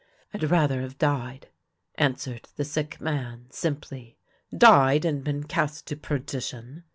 " Fd rather have died," answered the sick man, simply. " Died, and been cast to perdition